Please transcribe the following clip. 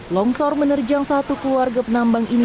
longsor menerjang satu keluarga penambang ini